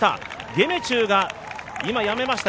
ゲメチュが今やめました。